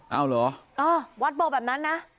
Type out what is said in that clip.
เอาเหรอวัดบอกแบบนั้นนะ